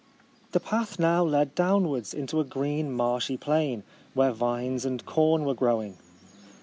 The path now led downwards into a green marshy plain, where vines and corn were growing.